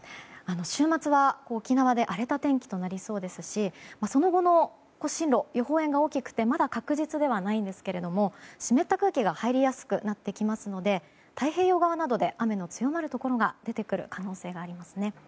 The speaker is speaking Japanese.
週末は沖縄で荒れた天気となりそうですしその後の進路、予報円が大きくてまだ確実ではないんですけども湿った空気が入りやすくなってきますので太平洋側などで雨の強まるところが出てくる可能性があります。